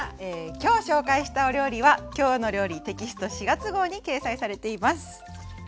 きょう紹介したお料理は「きょうの料理」テキスト４月号に掲載されています。